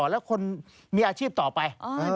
แล้วคนมีอาชีพต่อไป